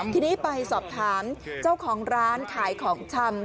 ทีนี้ไปสอบถามเจ้าของร้านขายของชำ